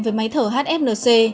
với máy thở hfnc